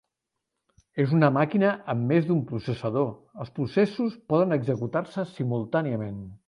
En una màquina amb més d'un processador, els processos poden executar-se simultàniament.